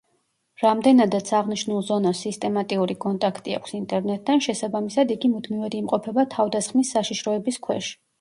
რამდენადაც აღნიშნულ ზონას სისტემატიური კონტაქტი აქვს ინტერნეტთან, შესაბამისად იგი მუდმივად იმყოფება თავდასხმის საშიშროების ქვეშ.